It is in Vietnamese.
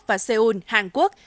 và seoul hàn quốc